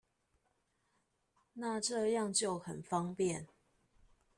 那這樣就很方便